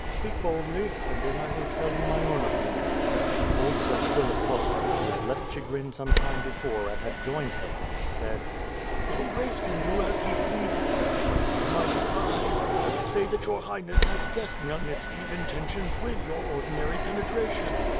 "Speak boldly, and then I will tell you my own opinion." 288 ^ITB FIRE AND .SfWOi?/). Old Zatsvilikhovski, who had left Chigrin some time be fore and had joined the prince, said: "Your grace can do as he pleases, but, if I might advise, I would say that your Highness has guessed Khmyelnitski's intentions with your ordinary penetration.